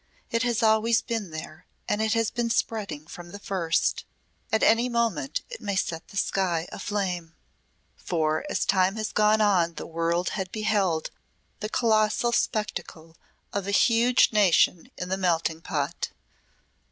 It has always been there and it has been spreading from the first. At any moment it may set the sky aflame." For as time had gone on the world had beheld the colossal spectacle of a huge nation in the melting pot.